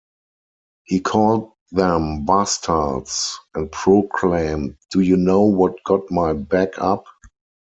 He called them "bastards" and proclaimed "Do you know what got my back up?